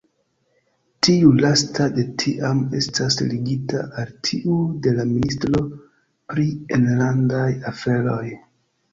Tiu lasta de tiam estas ligita al tiu de la ministro pri enlandaj aferoj.